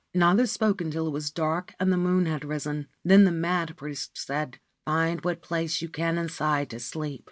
Neither spoke until it was dark and the moon had risen. Then the mad priest said, * Find what place you can inside to sleep.